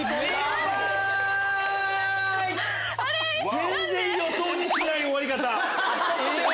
全然予想しない終わり方。